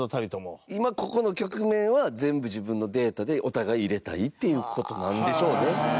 高橋：今、ここの局面は全部、自分のデータでお互い入れたいっていう事なんでしょうね。